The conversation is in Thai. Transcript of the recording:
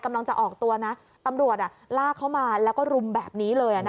กำลังจะออกตัวนะตำรวจลากเข้ามาแล้วก็รุมแบบนี้เลย